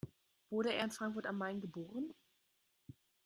Wurde er in Frankfurt am Main geboren?